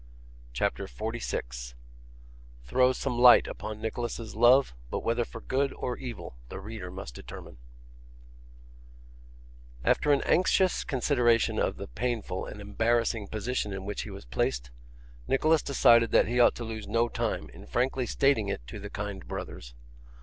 CHAPTER 46 Throws some Light upon Nicholas's Love; but whether for Good or Evil the Reader must determine After an anxious consideration of the painful and embarrassing position in which he was placed, Nicholas decided that he ought to lose no time in frankly stating it to the kind brothers.